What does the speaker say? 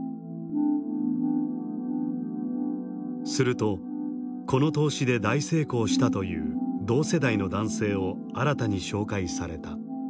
するとこの投資で大成功したという同世代の男性を新たに紹介された。